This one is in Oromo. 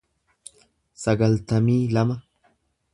sagaltamii lama